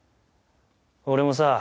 俺もさ